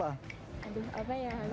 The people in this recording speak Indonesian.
aduh apa ya